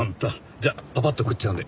じゃあパパッと食っちゃうんで。